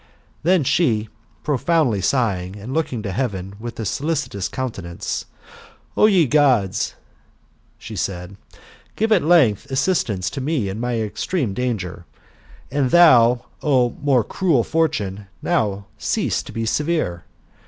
Then she, profoundly sighing, and looking to heaven with a solicitous countenance, *' O ye Gods," she said, " give at length assistance to me in my extreme danger ; and thou, O more cruel Fortune, now cease to be severe.